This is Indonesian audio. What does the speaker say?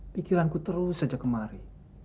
pikiranku terus saja kemari